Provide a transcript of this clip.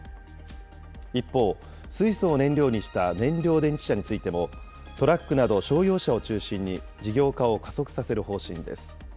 一方、水素を燃料にした燃料電池車についても、トラックなど商用車を中心に事業化を加速させる方針です。